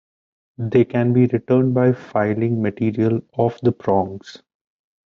They can be retuned by filing material off the prongs.